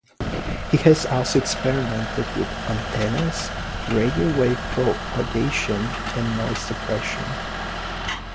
He also experimented with antennas, radio wave propagation, and noise suppression.